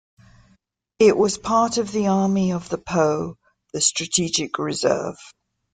It was part of the Army of the Po, the strategic reserve.